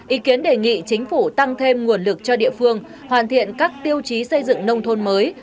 ý kiến đề nghị chính phủ tăng thêm nguồn lực cho địa phương hoàn thiện các tiêu chí xây dựng nông thôn mới